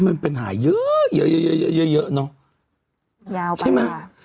ถ้ามันเป็นหายเยอะเยอะเยอะเยอะเยอะเยอะเนาะยาวไปค่ะใช่ไหม